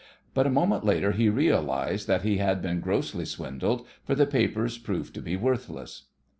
But a moment later he realized that he had been grossly swindled, for the papers proved to be worthless.